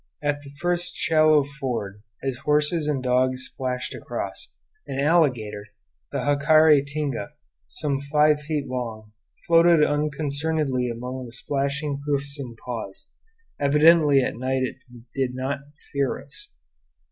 At the first shallow ford, as horses and dogs splashed across, an alligator, the jacare tinga, some five feet long, floated unconcernedly among the splashing hoofs and paws; evidently at night it did not fear us.